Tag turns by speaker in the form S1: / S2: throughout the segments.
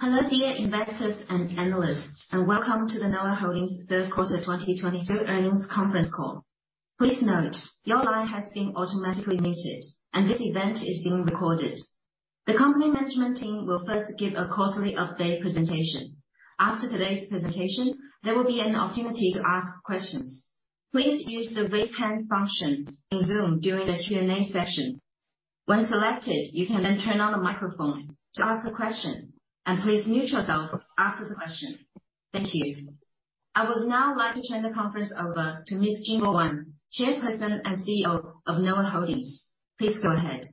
S1: Hello, dear investors and analysts, and welcome to the Noah Holdings third quarter 2022 earnings conference call. Please note, your line has been automatically muted, and this event is being recorded. The company management team will first give a quarterly update presentation. After today's presentation, there will be an opportunity to ask questions. Please use the Raise Hand function in Zoom during the Q&A session. When selected, you can then turn on the microphone to ask a question and please mute yourself after the question. Thank you. I would now like to turn the conference over to Miss Jingbo Wang, Chairperson and CEO of Noah Holdings. Please go ahead.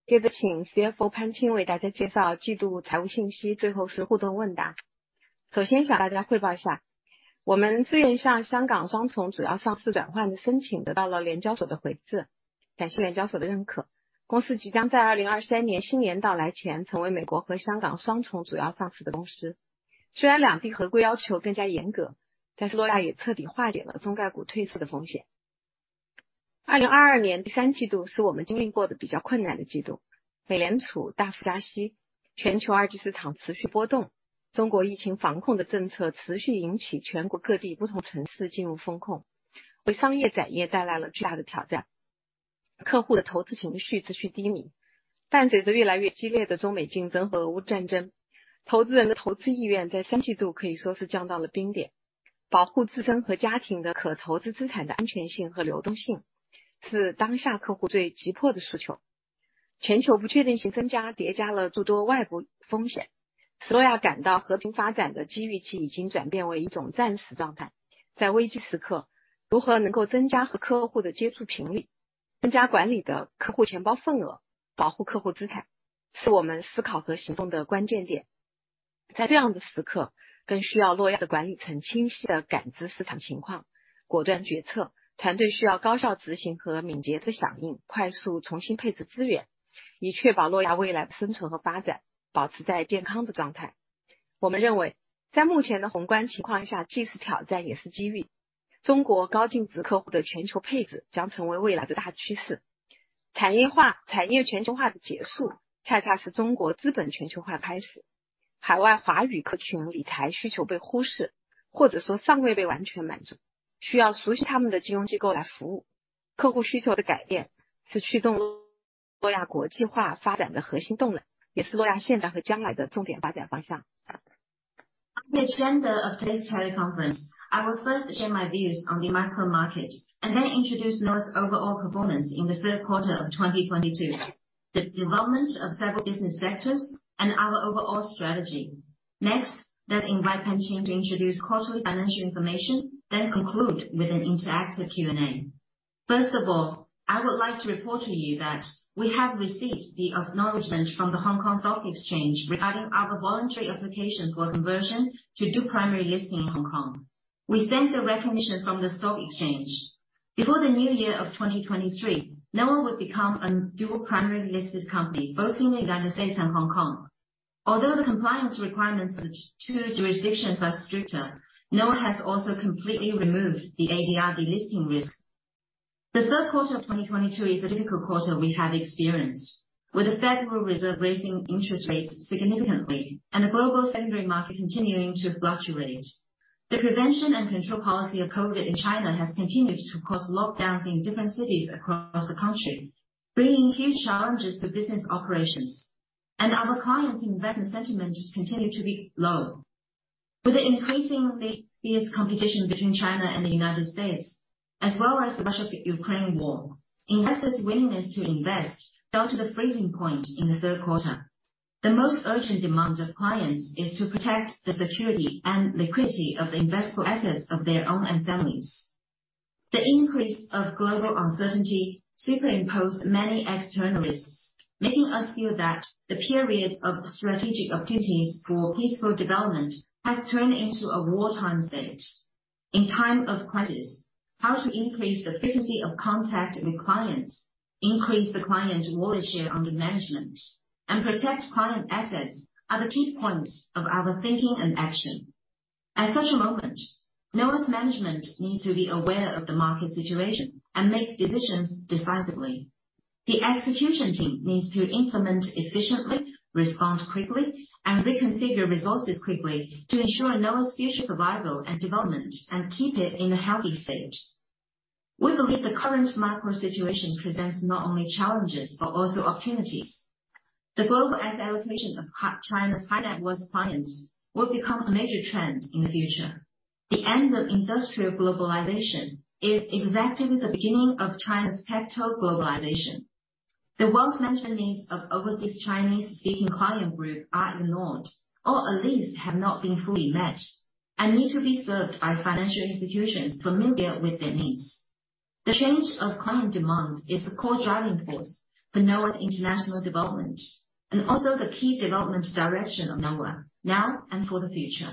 S2: Today's telephone conference agenda, I would first like to share my macro view, introduce Noah's overall performance in the third quarter of 2022, the development of several business sectors, and our overall strategy. Next, let's invite Pan Qing to introduce quarterly financial information, then conclude with an interactive Q&A. First of all, I would like to report to you that we have received the acknowledgement from the Hong Kong Stock Exchange regarding our voluntary application for conversion to dual primary listing in Hong Kong. We thank the recognition from the Stock Exchange. Before the new year of 2023, Noah would become a dual primary listed company, both in the United States and Hong Kong. Although the compliance requirements of the two jurisdictions are stricter, Noah has also completely removed the ADR delisting risk. The third quarter of 2022 is a difficult quarter we have experienced. With the Federal Reserve raising interest rates significantly and the global secondary market continuing to fluctuate. The prevention and control policy of COVID in China has continued to cause lockdowns in different cities across the country, bringing huge challenges to business operations. Our clients' investment sentiment has continued to be low. With the increasing fierce competition between China and the United States, as well as the Russia-Ukraine war, investors' willingness to invest fell to the freezing point in the third quarter. The most urgent demand of clients is to protect the security and liquidity of the investable assets of their own and families. The increase of global uncertainty superimposed many external risks, making us feel that the period of strategic opportunities for peaceful development has turned into a wartime state. In time of crisis, how to increase the frequency of contact with clients, increase the client wallet share under management, and protect client assets are the key points of our thinking and action. At such a moment, Noah's management needs to be aware of the market situation and make decisions decisively. The execution team needs to implement efficiently, respond quickly, and reconfigure resources quickly to ensure Noah's future survival and development and keep it in a healthy state. We believe the current macro situation presents not only challenges, but also opportunities. The global asset allocation of China's high-net-worth clients will become a major trend in the future. The end of industrial globalization is exactly the beginning of China's tech-to globalization. The wealth management needs of overseas Chinese-speaking client group are ignored, or at least have not been fully met, and need to be served by financial institutions familiar with their needs. The change of client demand is the core driving force for Noah's international development, and also the key development direction of Noah, now and for the future.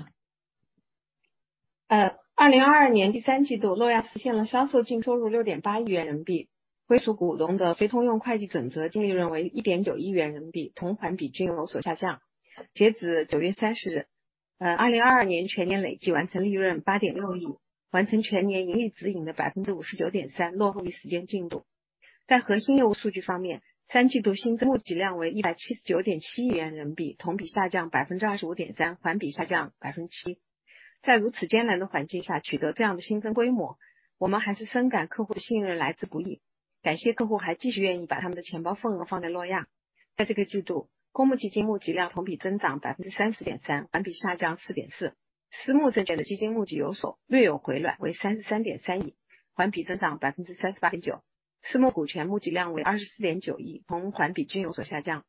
S2: 呃2022年第三季度洛亚实现了销售净收入六点八亿元人民币归属股东的非通用会计准则净利润为一点九亿元人民币同环比均有所下降截止九月三十日呃2022年全年累计完成利润八点六亿完成全年盈利指引的百分之五十九点三落后于时间进度在核心业务数据方面三季度新增募集量为一百七十九点七亿元人民币同比下降百分之二十五点三环比下降百分之七在如此艰难的环境下取得这样的新增规模我们还是深感客户的信任来之不易感谢客户还继续愿意把他们的钱包份额放在洛亚在这个季度公募基金募集量同比增长百分之三十点三环比下降四点四私募证券的基金募集有所略有回暖为三十三点三亿环比增长百分之三十八点九私募股权募集量为二十四点九亿同环比均有所下降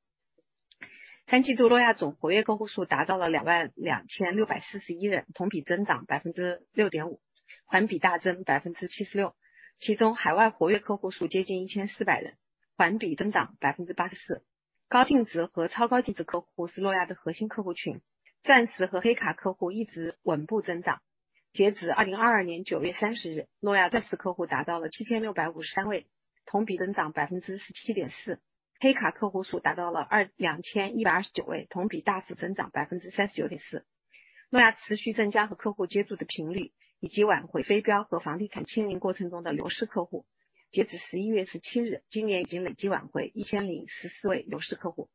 S2: 三季度洛亚总活跃客户数达到了两万两千六百四十一人同比增长百分之六点五环比大增百分之七十六其中海外活跃客户数接近一千四百人环比增长百分之八十四高净值和超高净值客户是洛亚的核心客户群钻石和黑卡客户一直稳步增长截止2022年9月30日洛亚钻石客户达到了七千六百五十三位同比增长百分之十七点四黑卡客户数达到了二两千一百二十九位同比大幅增长百分之三十九点四洛亚持续增加和客户接触的频率以及挽回非标和房地产清零过程中的流失客户截止11月17日今年已经累计挽回一千零十四位流失客户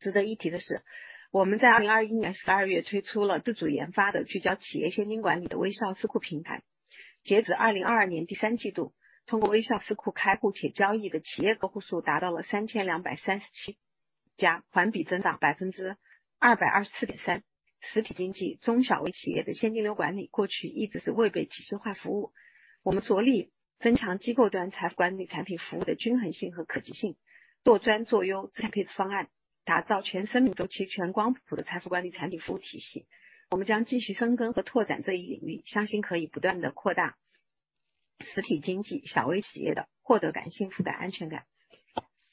S2: 值得一提的是我们在2021年12月推出了自主研发的聚焦企业现金管理的微尚私库平台截止2022年第三季度通过微尚私库开户且交易的企业客户数达到了三千两百三十七家环比增长百分之二百二十四点三实体经济中小微企业的现金流管理过去一直是未被机制化服务我们着力增强机构端财富管理产品服务的均衡性和可及性做专做优资产配置方案打造全生命周期全光谱的财富管理产品服务体系我们将继续深耕和拓展这一领域相信可以不断地扩大实体经济小微企业的获得感幸福感安全感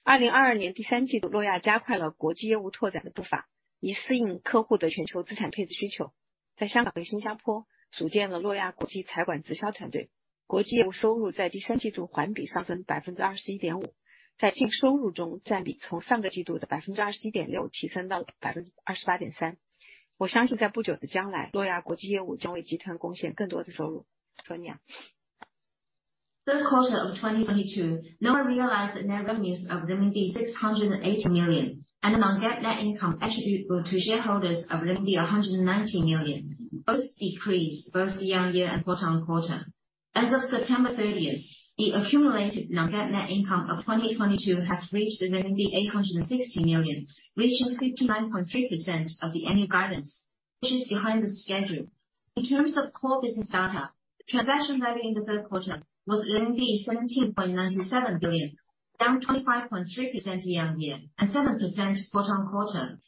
S2: 2022年第三季度洛亚加快了国际业务拓展的步伐以适应客户的全球资产配置需求在香港和新加坡组建了洛亚国际财管直销团队国际业务收入在第三季度环比上升百分之二十一点五在净收入中占比从上个季度的百分之二十一点六提升到了百分之二十八点三我相信在不久的将来洛亚国际业务将为集团贡献更多的收入说你啊 Third quarter of 2022, Noah realized net revenues of 680 million and a non-GAAP net income attributable to shareholders of 190 million, both decreased both year-on-year and quarter-on-quarter. As of September 30th, the accumulated non-GAAP net income of 2022 has reached 860 million, reaching 59.3% of the annual guidance, which is behind the schedule. In terms of core business data, transaction value in the third quarter was 17.97 billion, down 25.3% year-on-year and 7% quarter-on-quarter.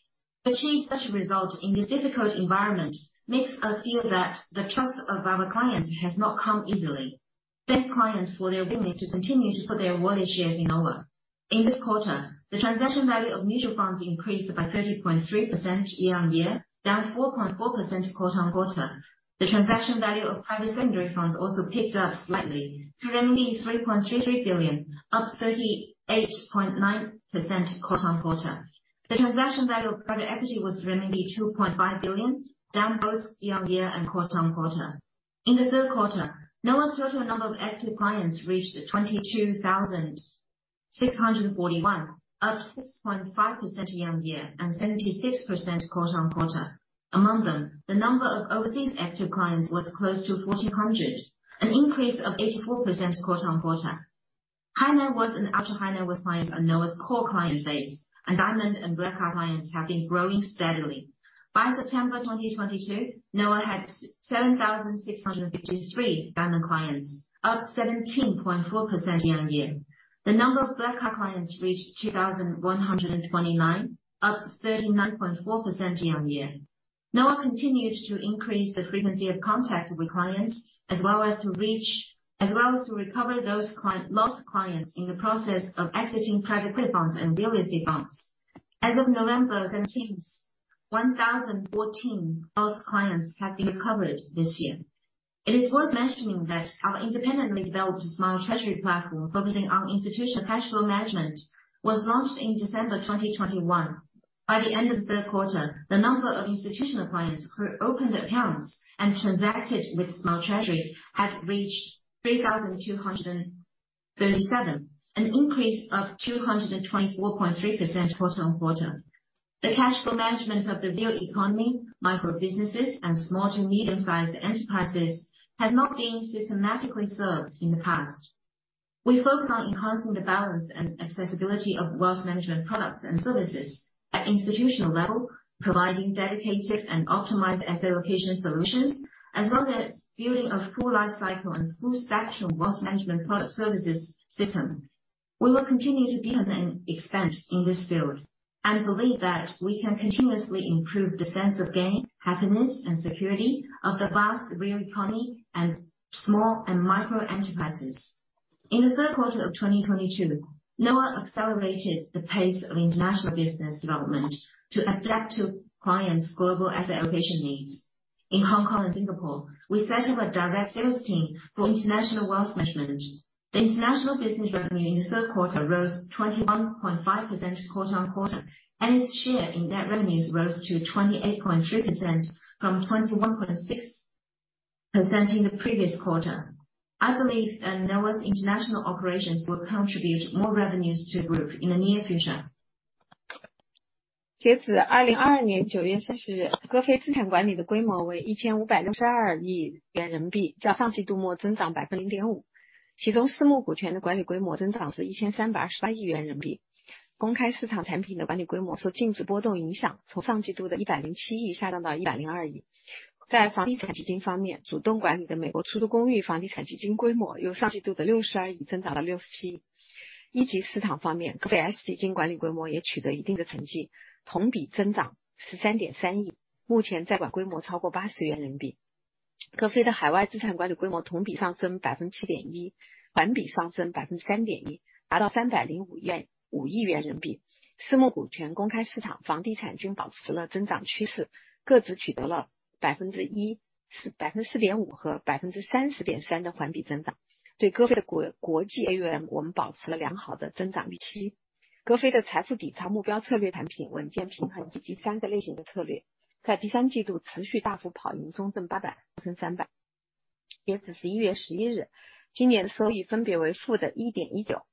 S2: Achieve such results in this difficult environment makes us feel that the trust of our clients has not come easily. Thank clients for their willingness to continue to put their wallet shares in Noah. In this quarter, the transaction value of mutual funds increased by 30.3% year-on-year, down 4.4% quarter-on-quarter. The transaction value of private secondary funds also picked up slightly to 3.33 billion, up 38.9% quarter-on-quarter. The transaction value of private equity was 2.5 billion, down both year-on-year and quarter-on-quarter. In the third quarter, Noah's total number of active clients reached 22,641, up 6.5% year-on-year and 76% quarter-on-quarter. Among them, the number of overseas active clients was close to 1,400, an increase of 84% quarter-on-quarter. High net worth and ultra high net worth clients are Noah's core client base, and Diamond and Black Card clients have been growing steadily. By September 2022, Noah had 7,653 Diamond clients, up 17.4% year-on-year. The number of Black Card clients reached 2,129, up 39.4% year-on-year. Noah continued to increase the frequency of contact with clients as well as to reach as well as to recover those lost clients in the process of exiting private credit funds and real estate funds. As of November 17th, 1,014 lost clients have been recovered this year. It is worth mentioning that our independently developed Smile Treasury platform focusing on institutional cash flow management was launched in December 2021. By the end of the third quarter, the number of institutional clients who opened accounts and transacted with Smile Treasury had reached 3,237, an increase of 224.3% quarter-on-quarter. The cash flow management of the real economy micro businesses and small-to-medium-sized enterprises has not been systematically served in the past. We focus on enhancing the balance and accessibility of wealth management products and services at institutional level, providing dedicated and optimized asset allocation solutions, as well as building a full life cycle and full stack of wealth management product services system. We will continue to deepen and expand in this field and believe we can continuously improve the sense of gain, happiness, and security of the vast real economy and small and micro enterprises. In the third quarter of 2022, Noah accelerated the pace of international business development to adapt to clients global asset allocation needs. In Hong Kong and Singapore, we set up a direct sales team for international wealth management. The international business revenue in the third quarter rose 21.5% quarter-on-quarter, and its share in net revenues rose to 28.3% from 21.6% in the previous quarter. I believe that Noah's international operations will contribute more revenues to Group in the near future. 截止二零二二年九月三十 日， 格非资产管理的规模为一千五百六十二亿元人民 币， 较上季度末增长百分零点五。其中私募股权的管理规模增长至一千三百二十八亿元人民币。公开市场产品的管理规模受净值波动影 响， 从上季度的一百零七亿下降到一百零二亿。在房地产基金方 面， 主动管理的美国出租公寓房地产基金规模由上季度的六十二亿增长到六十七亿。一级市场方 面， 格非 S 基金管理规模也取得一定的成 绩， 同比增长十三点三 亿， 目前在管规模超过八十亿元人民币。格非的海外资产管理规模同比上升百分七点 一， 环比上升百分三点 一， 达到三百零五 亿， 五亿元人民币。私募股权、公开市场、房地产均保持了增长趋 势， 各自取得了百分之一、百分之四点五和百分之三十点三的环比增长。对格非的国际 AUM， 我们保持了良好的增长预期。格非的财富抵偿目标策略产品稳健、平衡及第三个类型的策略在第三季度持续大幅跑 赢， 中证八百、沪深三百。截止十一月十一 日， 今年收益分别为负的一点一九、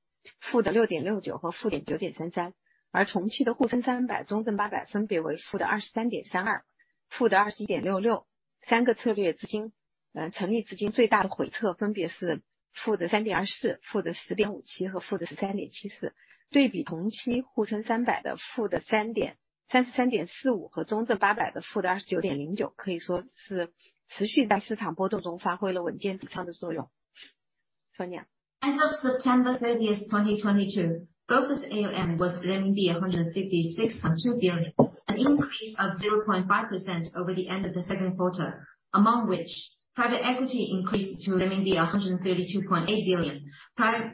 S2: 负的六点六九和负的九点三 三， 而同期的沪深三百、中证八百分别为负的二十三点三二、负的二十一点六六。三个策略资 金， 呃， 成立至今最大的回撤分别是负的三点二十四、负的十点五七和负的十三点七 四， 对比同期沪深三百的负的三 点， 三十三点四五和中证八百的负的二十九点零 九， 可以说是持续在市场波动中发挥了稳健抵仓的作用。说完了。As of September 30, 2022, Gopher's AUM was RMB 156.2 billion, an increase of 0.5% over the end of the second quarter. Among which private equity increased to 132.8 billion renminbi.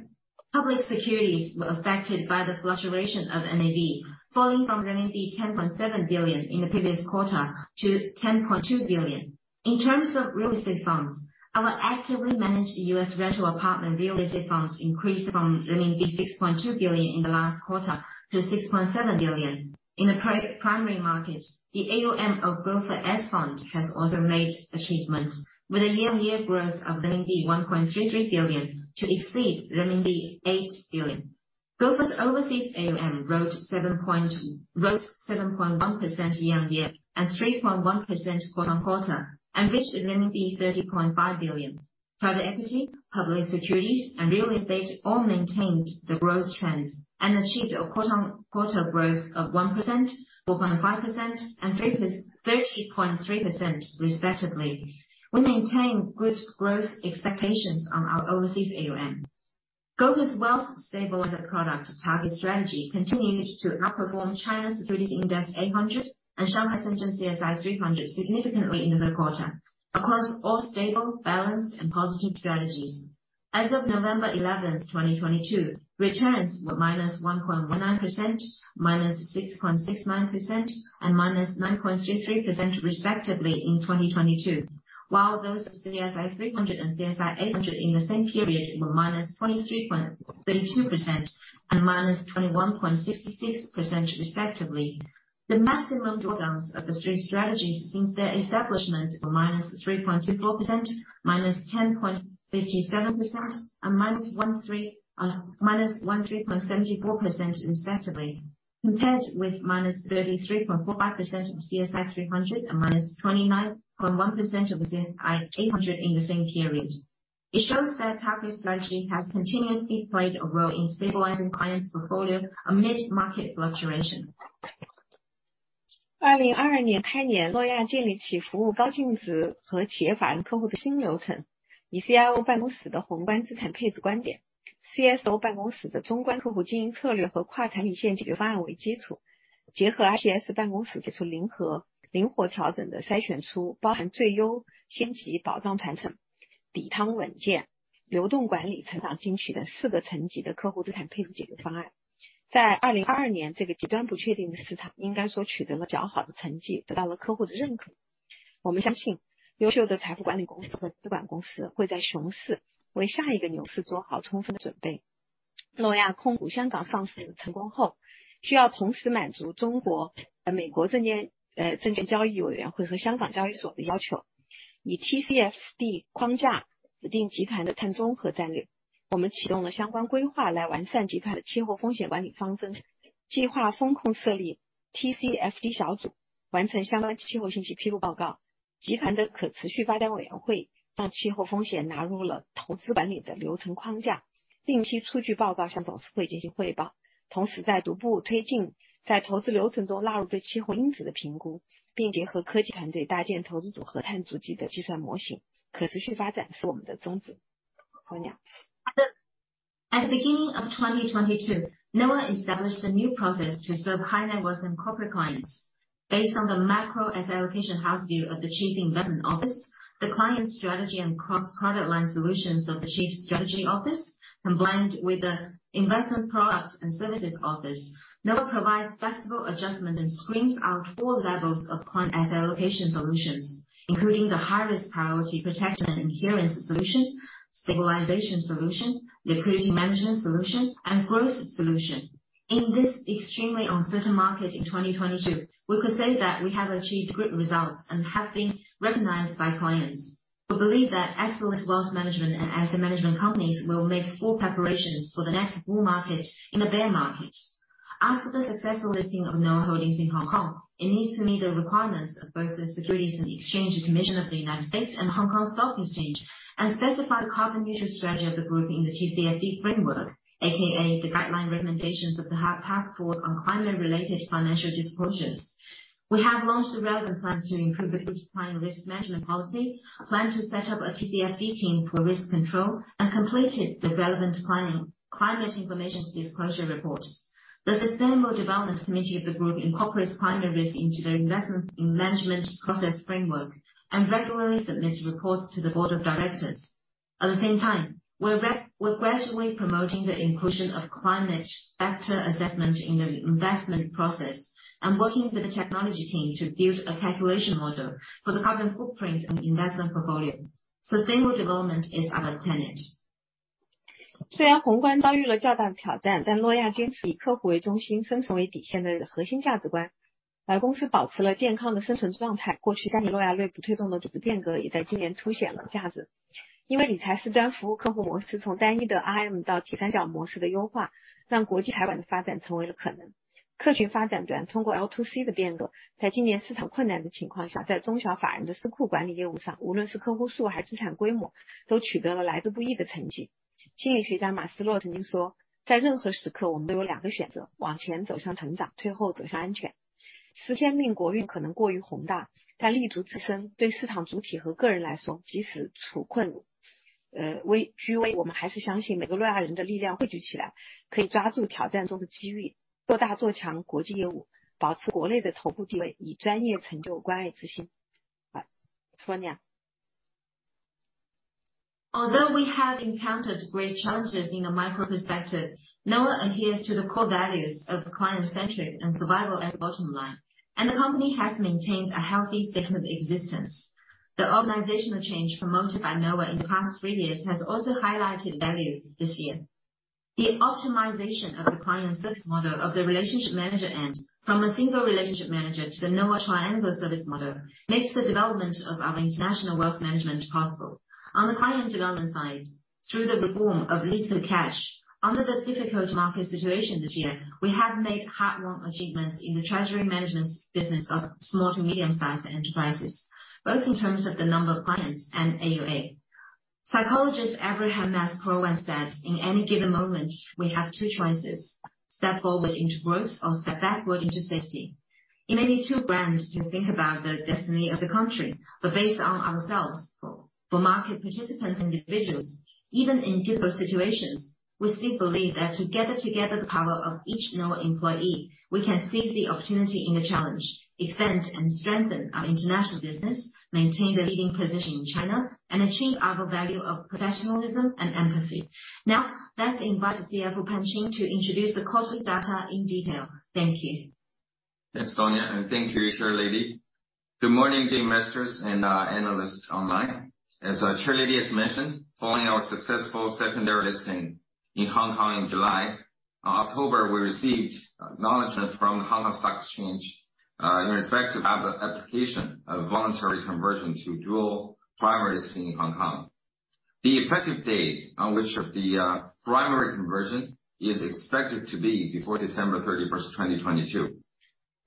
S2: public securities were affected by the fluctuation of NAV, falling from renminbi 10.7 billion in the previous quarter to 10.2 billion. In terms of real estate funds, our actively managed U.S. rental apartment real estate funds increased from 6.2 billion in the last quarter to 6.7 billion. In the primary market, the AUM of Gopher S-fund has also made achievements, with a year-on-year growth of RMB 1.33 billion to exceed RMB 8 billion. Gopher's overseas AUM rose 7.1% year-on-year and 3.1% quarter-on-quarter, and reached renminbi 30.5 billion. Private equity, public securities and real estate all maintained the growth trend and achieved a quarter-on-quarter growth of 1%, 4.5% and 30.3% respectively. We maintain good growth expectations on our overseas AUM. Gopher's wealth stabilizer product target strategy continued to outperform China's Securities Index 800 and Shanghai's Shenzhen CSI 300 significantly in the third quarter. Across all stable, balanced and positive strategies. As of November 11, 2022, returns were -1.19%, -6.69% and -9.33% respectively in 2022. While those of CSI 300 and CSI 800 in the same period were -23.32% and -21.66% respectively. The maximum drawdowns of the three strategies since their establishment were -3.24%, -10.57% and -13.74% respectively, compared with -33.45% of CSI 300 and -29.1% of CSI 800 in the same period. It shows that target strategy has continuously played a role in stabilizing clients' portfolio amid market fluctuation. 二零二二年开 年， 诺亚建立起服务高净值和企业财富客户的新流 程， 以 CIO 办公室的宏观资产配置观点 ，CSO 办公室的中观客户经营策略和跨产品线解决方案为基 础， 结合 RPS 办公室给出零和灵活调整的筛选出包含最优先级保障产品、抵挡稳健、流动管理、成长进取的四个层级的客户资产配置解决方案。在二零二二年这个极端不确定的市 场， 应该说取得了较好的成 绩， 得到了客户的认可。我们相信优秀的财富管理公司和资管公司会在熊市为下一个牛市做好充分的准备。诺亚控股香港上市成功 后， 需要同时满足中国和美国证 券， 呃， 证券交易委员会和香港交易所的要 求， 以 TCFD 框架指定集团的碳中和战略。我们启动了相关规 划， 来完善集团的气候风险管理方针。计划风控设立 TCFD 小 组， 完成相关气候信息披露报告。集团的可持续发展委员会将气候风险纳入了投资管理的流程框 架， 定期出具报告向董事会进行汇报。同时在逐步推进在投资流程中纳入对气候因子的评 估， 并结合科技团队搭建投资组合碳足迹的计算模型。可持续发展是我们的宗旨。说完了。At the beginning of 2022, Noah established a new process to serve high net worth and corporate clients. Based on the macro asset allocation house view of the Chief Investment Office, the client strategy and cross credit line solutions of the Chief Strategy Office, combined with the investment products and services office. Noah provides flexible adjustment and screens out all levels of client asset allocation solutions, including the high risk priority protection and inheritance solution, stabilization solution, liquidity management solution, and growth solution. In this extremely uncertain market in 2022, we could say that we have achieved great results and have been recognized by clients. We believe that excellent wealth management and asset management companies will make full preparations for the next bull market in the bear market. After the successful listing of Noah Holdings in Hong Kong, it needs to meet the requirements of both the Securities and Exchange Commission of the United States and Hong Kong Stock Exchange, and specify the carbon neutral strategy of the group in the TCFD framework, AKA, the guideline recommendations of the Task Force on Climate-related Financial Disclosures. We have launched the relevant plans to improve the group's client risk management policy, a plan to set up a TCFD team for risk control, and completed the relevant client climate information disclosure report. The Sustainable Development Committee of the group incorporates climate risk into their investment in management process framework, and regularly submits reports to the board of directors.
S1: At the same time, we're gradually promoting the inclusion of climate factor assessment in the investment process, and working with the technology team to build a calculation model for the carbon footprint and investment portfolio. Sustainable development is our tenet. Although we have encountered great challenges in the micro perspective, Noah adheres to the core values of client-centric and survival at bottom line, and the company has maintained a healthy state of existence. The organizational change promoted by Noah in the past three years has also highlighted value this year. The optimization of the client service model of the relationship manager end from a single relationship manager to the Noah Triangle service model makes the development of our international wealth management possible. On the client development side, through the reform of Leads to Cash under the difficult market situation this year, we have made hard-won achievements in the treasury management business of small to medium-sized enterprises, both in terms of the number of clients and AUA. Psychologist Abraham Maslow once said, "In any given moment, we have two choices: Step forward into growth or step backward into safety." It may need two brands to think about the destiny of the country, but based on ourselves. For market participants, individuals, even in difficult situations, we still believe that to gather together the power of each Noah employee, we can seize the opportunity in the challenge, expand and strengthen our international business, maintain the leading position in China, and achieve our value of professionalism and empathy. Now, let's invite CFO Qing Pan to introduce the quarterly data in detail. Thank you.
S3: Thanks, Sonia. Thank you, Chair lady. Good morning, investors and analysts online. As our Chair lady has mentioned, following our successful secondary listing in Hong Kong in July, on October, we received acknowledgement from the Hong Kong Stock Exchange in respect to the application of voluntary conversion to dual primary listing in Hong Kong. The effective date on which of the primary conversion is expected to be before December 31st, 2022.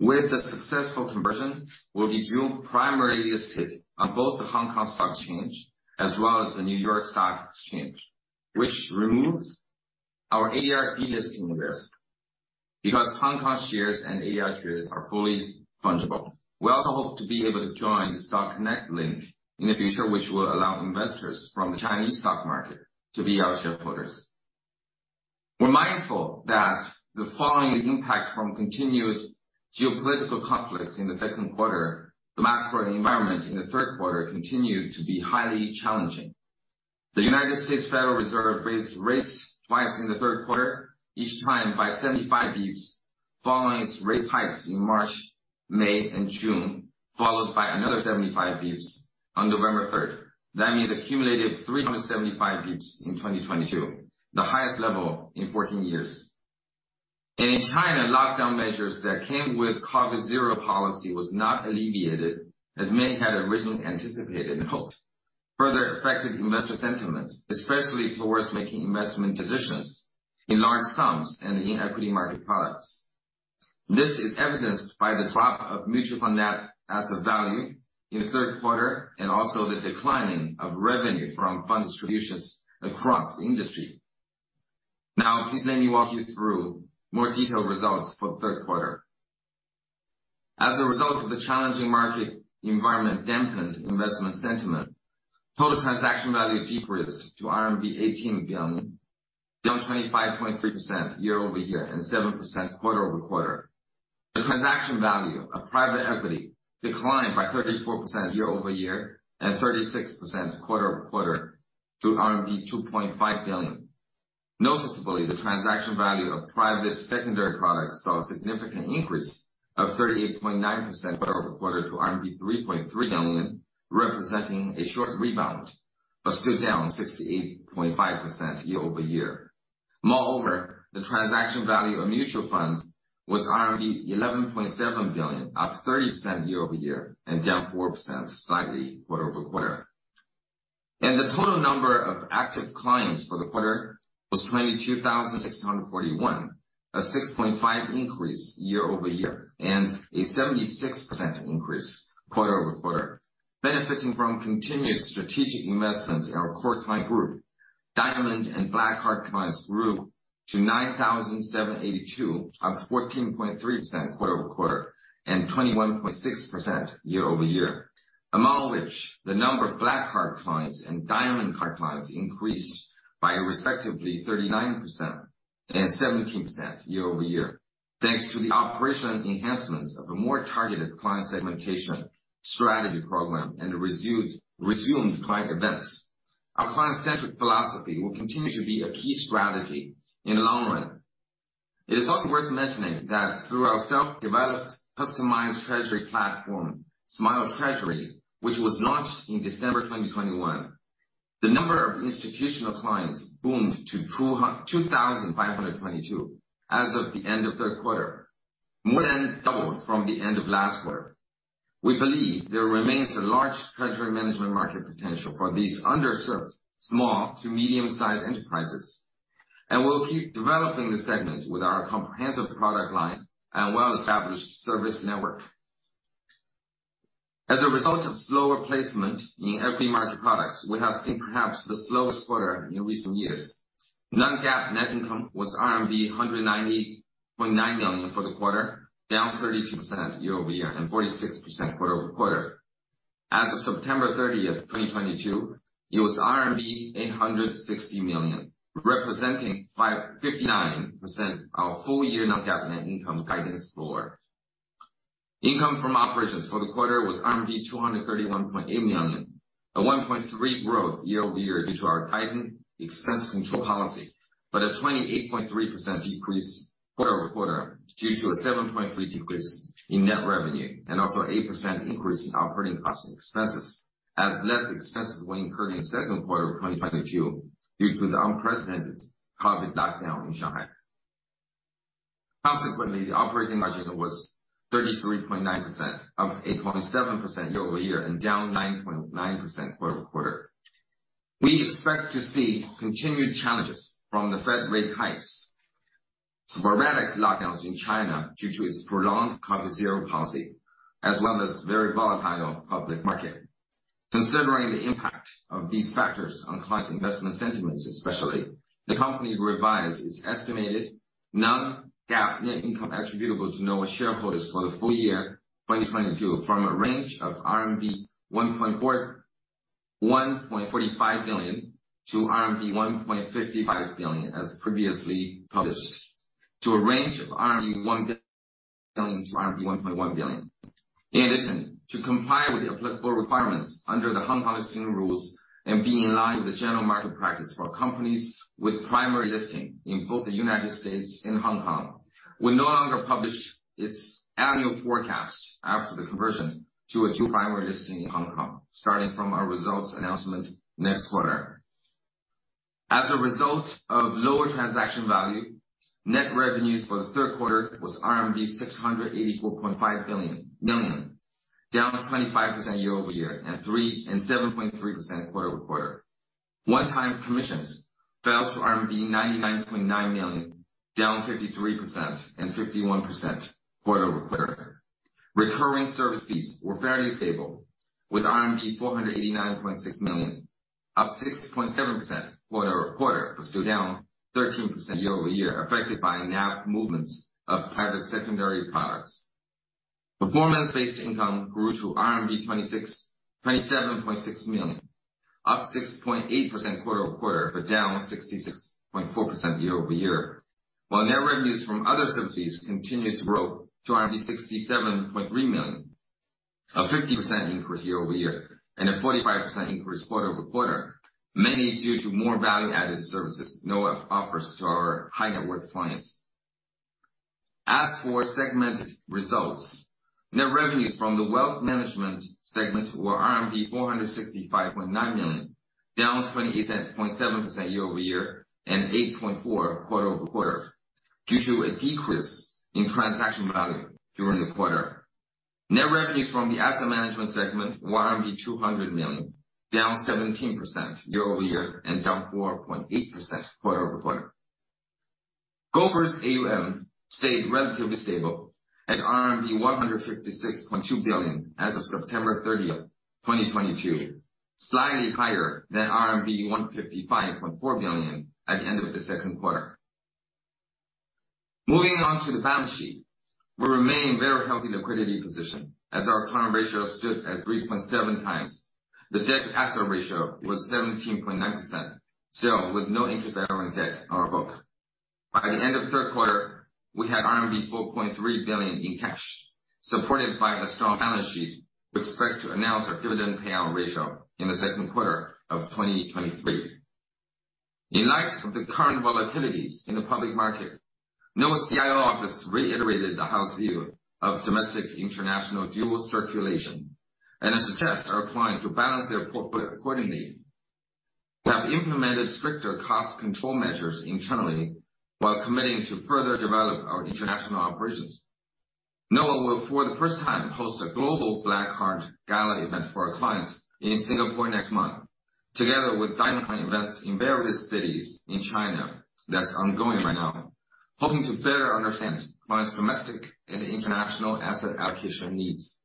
S3: With the successful conversion, we'll be dual primary listed on both the Hong Kong Stock Exchange as well as the New York Stock Exchange, which removes our ADR delisting risk because Hong Kong shares and ADR shares are fully fungible. We also hope to be able to join the Stock Connect link in the future, which will allow investors from the Chinese stock market to be our shareholders. We're mindful that the following impact from continued geopolitical conflicts in the second quarter, the macro environment in the third quarter continued to be highly challenging. The United States Federal Reserve raised rates twice in the third quarter, each time by 75 basis points, following its rate hikes in March, May and June, followed by another 75 basis points on November third. That means accumulated 375 basis points in 2022, the highest level in 14 years. In China, lockdown measures that came with COVID zero policy was not alleviated, as many had originally anticipated and hoped, further affected investor sentiment, especially towards making investment decisions in large sums and in equity market products. This is evidenced by the drop of mutual fund net asset value in the third quarter, and also the declining of revenue from fund distributions across the industry. Now, please let me walk you through more detailed results for the third quarter. As a result of the challenging market environment dampened investment sentiment, total transaction value decreased to RMB 18 billion. Down 25.3% year-over-year and 7% quarter-over-quarter. The transaction value of private equity declined by 34% year-over-year and 36% quarter-over-quarter to RMB 2.5 billion. Noticeably, the transaction value of private secondary products saw a significant increase of 38.9% quarter-over-quarter to RMB 3.3 billion, representing a short rebound, but still down 68.5% year-over-year. Moreover, the transaction value of mutual funds was RMB 11.7 billion, up 30% year-over-year and down 4% slightly quarter-over-quarter. The total number of active clients for the quarter was 22,641, a 6.5% increase year-over-year and a 76% increase quarter-over-quarter. Benefiting from continued strategic investments in our core client group, Diamond Card and Black Card clients grew to 9,782, up 14.3% quarter-over-quarter and 21.6% year-over-year. Among which the number of Black Card clients and Diamond Card clients increased by respectively 39% and 17% year-over-year. Thanks to the operation enhancements of a more targeted client segmentation strategy program and resumed client events. Our client-centric philosophy will continue to be a key strategy in the long run. It is also worth mentioning that through our self-developed customized treasury platform, Smile Treasury, which was launched in December 2021, the number of institutional clients boomed to 2,522 as of the end of third quarter, more than double from the end of last quarter. We believe there remains a large treasury management market potential for these underserved small to medium-sized enterprises, we'll keep developing this segment with our comprehensive product line and well-established service network. As a result of slower placement in every market products, we have seen perhaps the slowest quarter in recent years. Non-GAAP net income was RMB 190.9 billion for the quarter, down 32% year-over-year and 46% quarter-over-quarter. As of September 30, 2022, it was RMB 860 million, representing 59% our full year non-GAAP net income guidance floor. Income from operations for the quarter was RMB 231.8 million, a 1.3% growth year-over-year due to our tightened expense control policy, but a 28.3% decrease quarter-over-quarter due to a 7.3% decrease in net revenue and also 8% increase in operating costs and expenses as less expenses were incurred in second quarter of 2022 due to the unprecedented COVID lockdown in Shanghai. Consequently, the operating margin was 33.9%, up 8.7% year-over-year and down 9.9% quarter-over-quarter. We expect to see continued challenges from the Fed rate hikes, sporadic lockdowns in China due to its prolonged zero-COVID policy, as well as very volatile public market. Considering the impact of these factors on clients' investment sentiments especially, the company revised its estimated non-GAAP net income attributable to Noah shareholders for the full year 2022 from a range of 1.4 billion-1.45 billion RMB to RMB 1.55 billion as previously published to a range of RMB 1 billion to RMB 1.1 billion. In addition, to comply with the applicable requirements under the Hong Kong Listing Rules and being in line with the general market practice for companies with primary listing in both the United States and Hong Kong, we no longer publish its annual forecast after the conversion to a dual primary listing in Hong Kong, starting from our results announcement next quarter. As a result of lower transaction value, net revenues for the third quarter was RMB 684.5 million, down 25% year-over-year and 7.3% quarter-over-quarter. One-time commissions fell to RMB 99.9 million, down 53% and 51% quarter-over-quarter. Recurring service fees were fairly stable with RMB 489.6 million, up 6.7% quarter-over-quarter, but still down 13% year-over-year, affected by NAV movements of private secondary products. Performance-based income grew to 27.6 million, up 6.8% quarter-over-quarter, but down 66.4% year-over-year. Net revenues from other services continued to grow to 67.3 million, a 50% increase year-over-year and a 45% increase quarter-over-quarter, mainly due to more value-added services Noah offers to our high net worth clients. As for segment results, net revenues from the wealth management segment were RMB 465.9 million, down 28.7% year-over-year and 8.4% quarter-over-quarter due to a decrease in transaction value during the quarter. Net revenues from the asset management segment were 200 million, down 17% year-over-year and down 4.8% quarter-over-quarter. Gopher's AUM stayed relatively stable at RMB 156.2 billion as of September 30, 2022, slightly higher than RMB 155.4 billion at the end of the second quarter. Moving on to the balance sheet. We remain very healthy liquidity position as our current ratio stood at 3.7x. The debt to asset ratio was 17.9%, still with no interest on debt on our book. By the end of third quarter, we had RMB 4.3 billion in cash. Supported by a strong balance sheet. We expect to announce our dividend payout ratio in the second quarter of 2023. In light of the current volatilities in the public market, Noah CIO office reiterated the house view of domestic international dual circulation and has suggested our clients to balance their portfolio accordingly. We have implemented stricter cost control measures internally while committing to further develop our international operations. Noah will, for the first time, host a global Black Card gala event for our clients in Singapore next month. Together with Diamond clients events in various cities in China that's ongoing right now, hoping to better understand clients domestic and international asset allocation needs.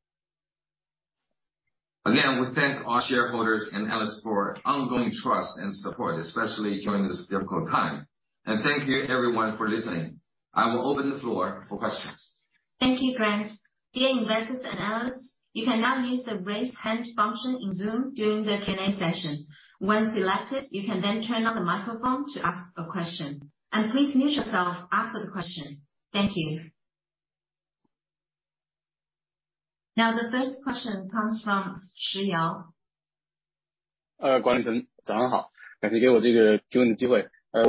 S3: Again, we thank all shareholders and analysts for ongoing trust and support, especially during this difficult time. Thank you everyone for listening. I will open the floor for questions.
S1: Thank you, Qing Pan. Dear investors and analysts, you can now use the Raise Hand function in Zoom during the Q&A session. Once elected, you can then turn on the microphone to ask a question. Please mute yourself after the question. Thank you. The first question comes from Chi Yao.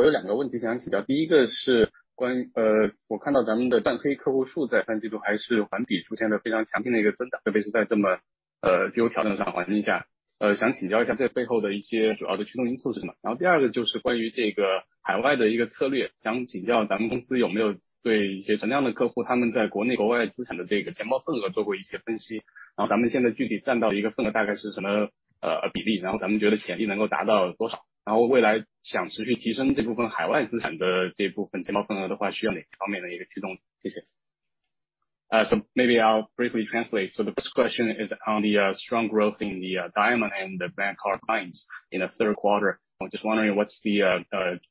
S4: Maybe I'll briefly translate. The first question is on the strong growth in the Diamond Card and the Black Card clients in the third quarter. I'm just wondering what's the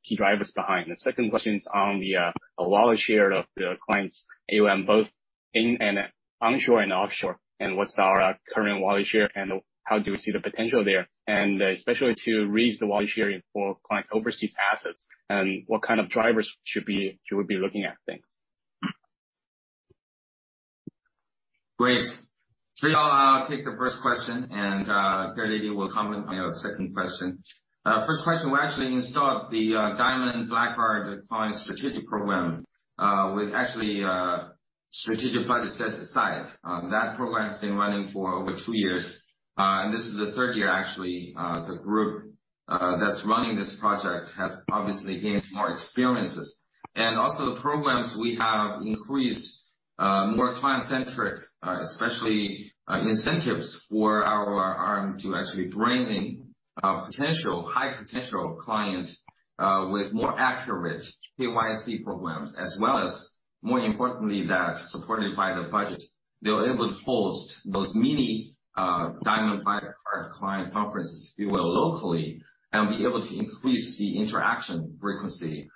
S4: key drivers behind? The second question is on the wallet share of the clients AUM, both in and onshore and offshore, and what's our current wallet share and how do you see the potential there, and especially to raise the wallet share for client overseas assets. What kind of drivers should we be looking at? Thanks.
S3: Great. Chi Yao, take the first question and Pearly will comment on your second question. First question, we actually installed the Diamond Black Card client strategic program with actually a strategic budget set aside. That program has been running for over two years. This is the third year actually. The group that's running this project has obviously gained more experiences. Also the programs we have increased more client-centric, especially incentives for our RM to actually bring in high potential client with more accurate KYC programs as well as more importantly, that's supported by the budget. They'll able to host those mini Diamond Black Card client conferences, if you will, locally and be able to increase the interaction frequency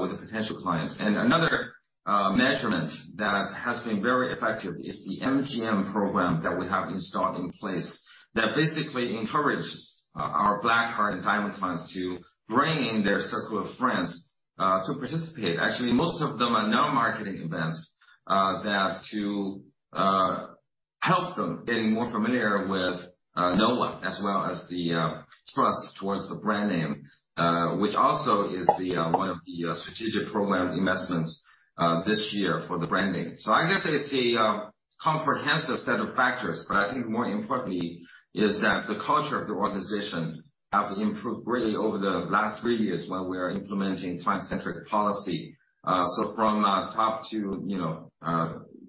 S3: with the potential clients. Another measurement that has been very effective is the MGM program that we have installed in place that basically encourages our Black Card and Diamond clients to bring their circle of friends to participate. Actually, most of them are now marketing events that to help them getting more familiar with Noah as well as the trust towards the brand name, which also is the one of the strategic program investments this year for the brand name. I guess it's a comprehensive set of factors. I think more importantly is that the culture of the organization have improved really over the last three years when we are implementing client centric policy. From top to, you know,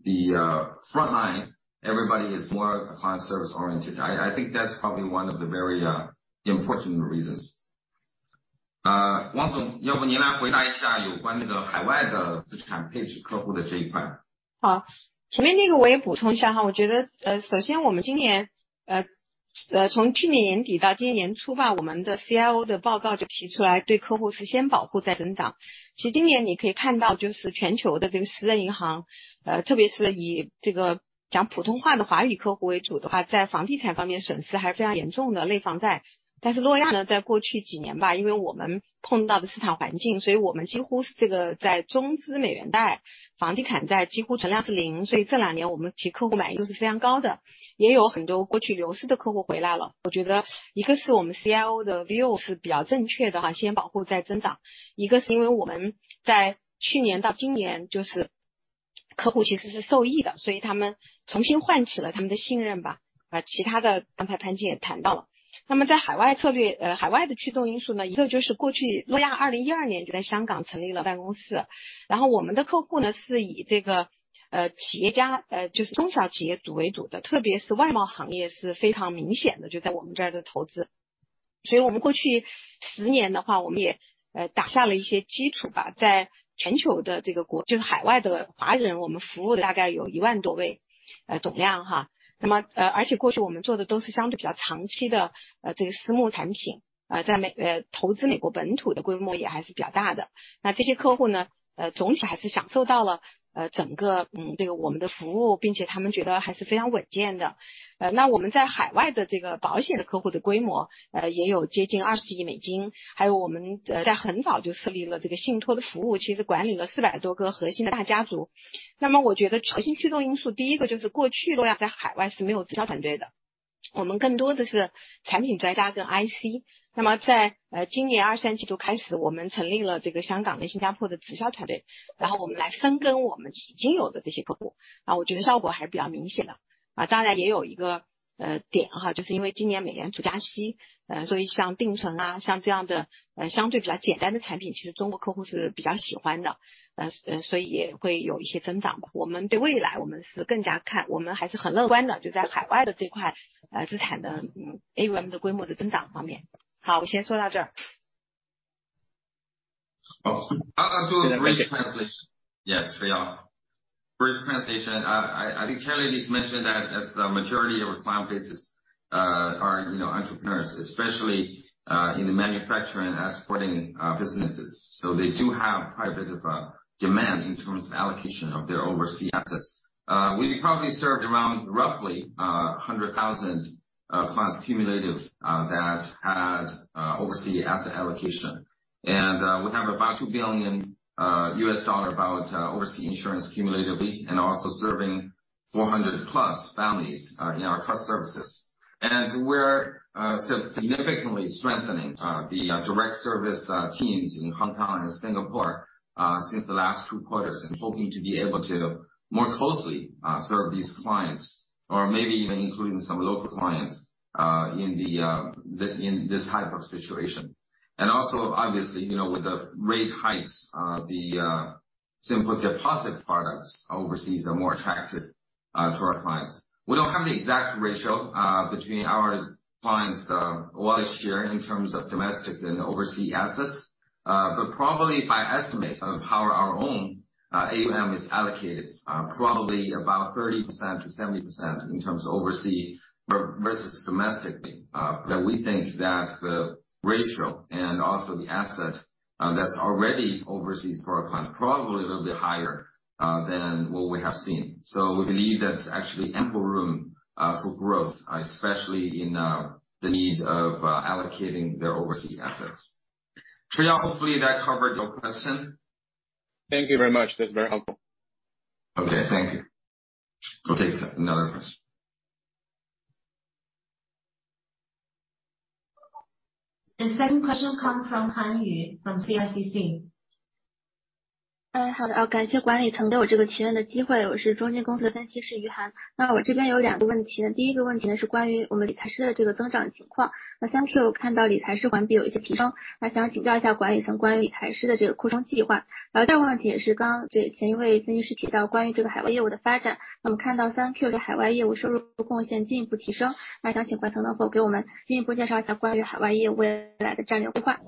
S3: the front line, everybody is more client service oriented. I think that's probably one of the very important reasons.
S2: 所以我们过去十年的 话， 我们也打下了一些基础吧。在全球的这个 国， 就是海外的华 人， 我们服务大概有一万多 位， 呃， 总量哈。那么而且过去我们做的都是相对比较长期的这个私募产 品， 呃， 在 美， 投资美国本土的规模也还是比较大的。那这些客户 呢， 总体还是享受到了整 个， 呃， 这个我们的服 务， 并且他们觉得还是非常稳健的。那我们在海外的这个保险的客户的规模也有接近二十亿美 金， 还有我们在很早就设立了这个信托的服 务， 其实管理了四百多个核心的大家族。那么我觉得核心驱动因素第一个就是过去洛亚在海外是没有直销团队 的， 我们更多的是产品专家跟 IC。那么在今年二三季度开 始， 我们成立了这个香港和新加坡的直销团 队， 然后我们来分跟我们已经有的这些客 户， 我觉得效果还是比较明显的。当然也有一 个， 呃， 点， 就是因为今年美联储加 息， 所以像定存啊像这样的相对比较简单的产 品， 其实中国客户是比较喜欢 的， 所以也会有一些增长的。我们对未来我们是更加 看， 我们还是很乐观 的， 就在海外的这块资产的 AUM 的规模的增长方面。好， 我先说到这。
S3: I think Charlie just mentioned that as the majority of our client bases are entrepreneurs, especially in the manufacturing and exporting businesses. They do have quite a bit of demand in terms of allocation of their overseas assets. We probably served around roughly 100,000+ cumulative that had oversea asset allocation, and we have about $2 billion about oversea insurance cumulatively, and also serving 400+ families in our trust services. We're significantly strengthening the direct service teams in Hong Kong and Singapore since the last two quarters and hoping to be able to more closely serve these clients or maybe even including some local clients in this type of situation. Also obviously, you know, with the rate hikes, the simple deposit products overseas are more attractive to our clients. We don't have the exact ratio between our clients' wealth share in terms of domestic and overseas assets, but probably by estimate of how our own AUM is allocated, probably about 30%-70% in terms of oversea versus domestically, that we think that the ratio and also the assets that's already overseas for our clients probably a little bit higher than what we have seen. We believe there's actually ample room for growth, especially in the needs of allocating their overseas assets. Chi Yao, hopefully that covered your question.
S4: Thank you very much. That's very helpful.
S3: Okay, thank you. We'll take another question.
S1: The second question come from Han Yu, from CICC.
S5: 好 的， 感谢管理层给我这个提问的机会。我是中金公司的分析师余涵。我这边有2个问 题， 第1个问题是关于我们理财师的这个增长情况。3Q 看到理财师环比有一些提 升， 想请教一下管理层关于理财师的这个扩充计划。第2个问题也是刚刚前1位分析师提到关于这个海外业务的发 展， 看到 3Q 的海外业务收入贡献进一步提 升， 想请问能否给我们进一步介绍一下关于海外业务未来的战略规划。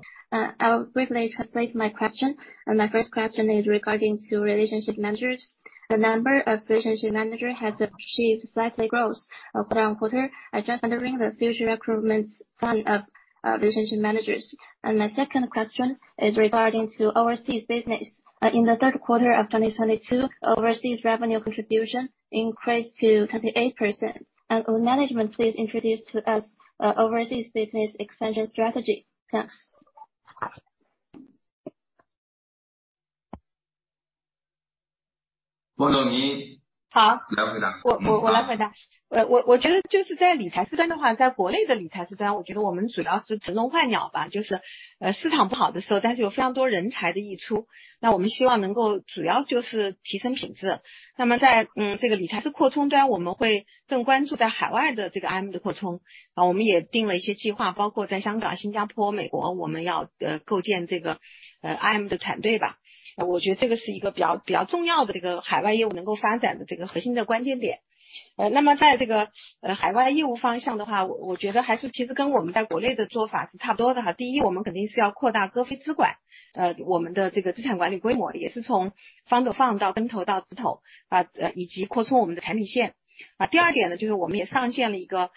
S5: I'll briefly translate my question. My first question is regarding to relationship managers. The number of relationship manager has achieved slightly growth quarter-on-quarter. I just wondering the future recruitment plan of relationship managers. My second question is regarding to overseas business. In the third quarter of 2022, overseas revenue contribution increased to 28%. Management please introduce to us overseas business expansion strategy. Thanks.
S3: 王 总, 您.
S2: 好.
S3: 来回 答.
S2: 我， 我来回答。我， 我觉得就是在理财师端的 话， 在国内的理财师 端， 我觉得我们主要是乘龙换鸟 吧， 就是市场不好的时 候， 但是有非常多人才的溢 出， 那我们希望能够主要就是提升品质。那么 在， 呃， 这个理财师扩充 端， 我们会更关注在海外的这个 IM 的扩充。我们也定了一些计 划， 包括在香港、新加坡、美 国， 我们要构建这个 IM 的团队吧。我觉得这个是一个比 较， 比较重要的这个海外业务能够发展的这个核心的关键点。那么在这个海外业务方向的 话， 我觉得还是其实跟我们在国内的做法是差不多的。第 一， 我们肯定是要扩大割肥脂 管， 我们的这个资产管理规模也是从方得放到分头到指 头， 啊， 以及扩充我们的产品线。第二点 呢， 就是我们也上线了一个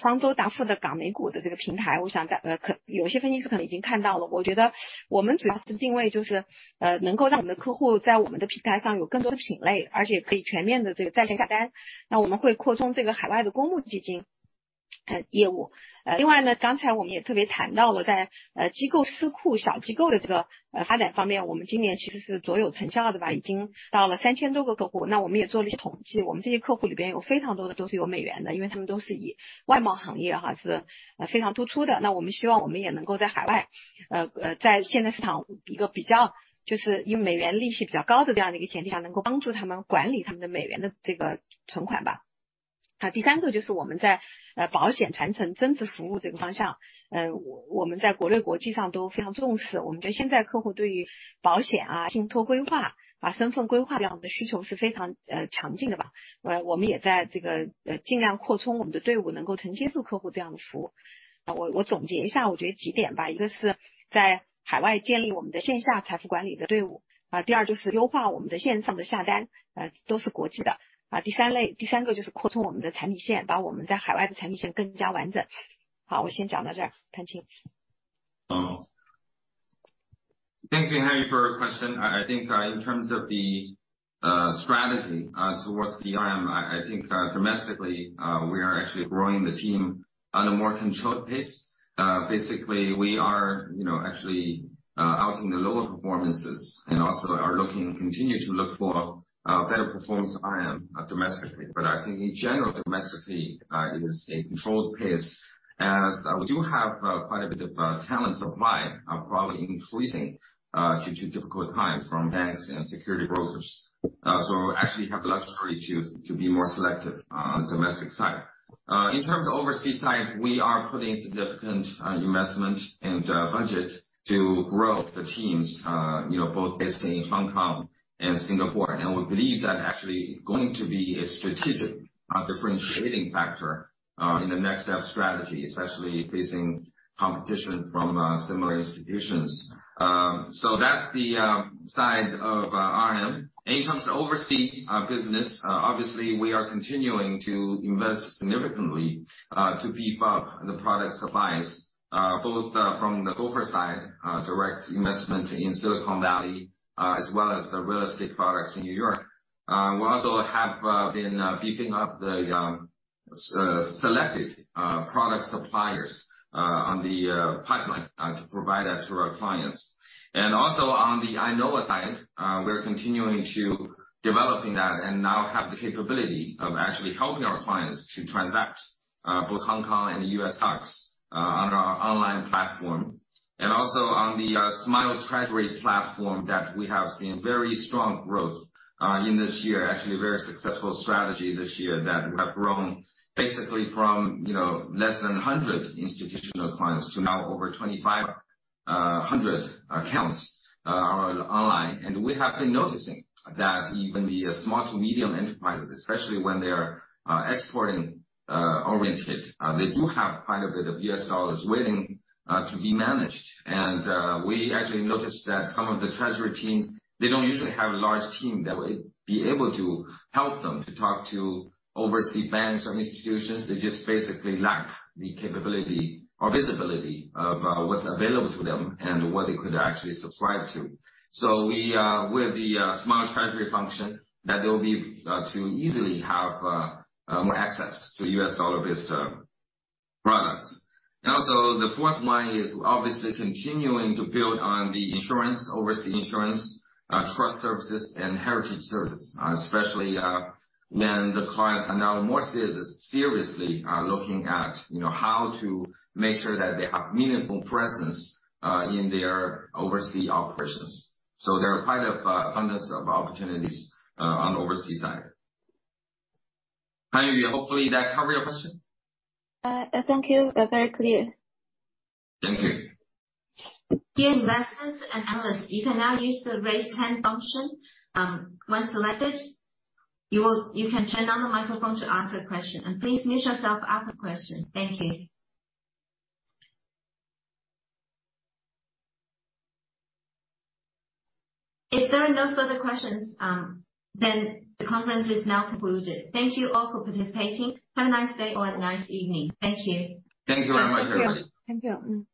S2: 方舟达富的港美股的这个平 台， 我想可能有些分析师可能已经看到 了， 我觉得我们主要是定 位， 就是能够让我们的客户在我们的平台上有更多的品 类， 而且可以全面的在线下 单， 那我们会扩充这个海外的公募基金， 呃， 业务。另外 呢， 刚才我们也特别谈到 了， 在机构私库小机构的这个发展方 面， 我们今年其实是左右成效的 吧， 已经到了三千多个客 户， 那我们也做了一些统 计， 我们这些客户里边有非常多的都是有美元 的， 因为他们都是以外贸行业是非常突出 的， 那我们希望我们也能够在海 外， 呃， 在现在市场一个比较就是以美元利息比较高的这样的一个前提 下， 能够帮助他们管理他们的美元的这个存款吧。Uh, third one is we are, uh, enhancing our wealth management services. We place great importance on both domestic and international markets. Our current customers have very strong demands for insurance, trust planning, and identity planning. We are also expanding our team to be able to provide such services to customers. Let me summarize a few points. One is to establish our offline wealth management team overseas. The second is to optimize our online orders. They are all international. The third is to expand our product line and make our overseas product line more complete. Okay, I'll stop here. Qing Pan.
S3: Thank you, Han Yu, for your question. I think, in terms of the strategy towards the RM, I think, domestically, we are actually growing the team on a more controlled pace. Basically, we are, you know, actually, outing the lower performances and also continue to look for better performance RM domestically. I think in general, domestically, it is a controlled pace. We do have quite a bit of talent supply, probably increasing due to difficult times from banks and security brokers. Actually have the luxury to be more selective on domestic side. In terms of overseas side, we are putting significant investment and budget to grow the teams, you know, both based in Hong Kong and Singapore. We believe that actually going to be a strategic differentiating factor in the next step strategy, especially facing competition from similar institutions. That's the side of RM. In terms of oversea business, obviously, we are continuing to invest significantly to beef up the product supplies. Both from the Gopher side, direct investment in Silicon Valley, as well as the real estate products in New York. We also have been beefing up the selected product suppliers on the pipeline to provide that to our clients. Also on the iKnow side, we're continuing to developing that and now have the capability of actually helping our clients to transact both Hong Kong and U.S. stocks on our online platform. Also on the Smile Treasury platform that we have seen very strong growth in this year. Actually a very successful strategy this year that we have grown basically from, you know, less than 100 institutional clients to now over 2,500 accounts online. We have been noticing that even the small to medium enterprises, especially when they're exporting oriented, they do have quite a bit of U.S. dollars waiting to be managed. We actually noticed that some of the treasury teams, they don't usually have a large team that would be able to help them to talk to overseas banks or institutions. They just basically lack the capability or visibility of what's available to them and what they could actually subscribe to. We, with the Smile Treasury function that they'll be to easily have access to U.S. dollar-based products. Also the fourth one is obviously continuing to build on the insurance, oversea insurance, trust services and heritage services, especially when the clients are now more serious, seriously, looking at, you know, how to make sure that they have meaningful presence in their oversea operations. There are quite a abundance of opportunities on the oversea side. Han Yu, hopefully that cover your question.
S5: Thank you. That very clear.
S3: Thank you.
S1: Dear investors and analysts, you can now use the Raise Hand function. When selected, you can turn on the microphone to ask a question. Please mute yourself after question. Thank you. If there are no further questions, the conference is now concluded. Thank you all for participating. Have a nice day or a nice evening. Thank you.
S3: Thank you very much, everybody.
S2: Thank you.